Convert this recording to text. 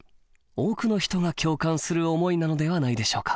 多くの人が共感する思いなのではないでしょうか。